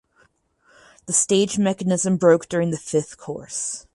The stage mechanism broke during the fifth course.